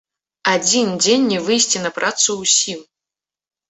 Адзін дзень не выйсці на працу ўсім.